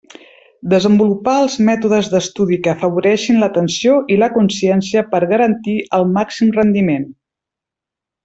Desenvolupar els mètodes d'estudi que afavoreixin l'atenció i la consciència per garantir el màxim rendiment.